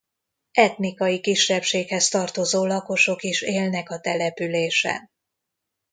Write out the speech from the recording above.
Etnikai kisebbséghez tartozó lakosok is élnek a településen.